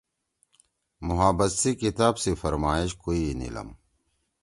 محبت سی کتاب سی فرمائش کوئی نیلم۔